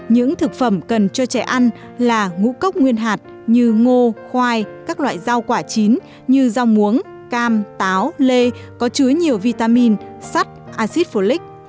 những thực phẩm cần cho trẻ ăn là ngũ cốc nguyên hạt như ngô khoai các loại rau quả chín như rau muống cam táo lê có chứa nhiều vitamin sắt acid folic